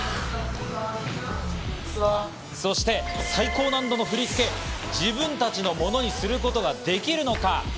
そして最高難度の振り付け、自分たちのものにすることができるのか？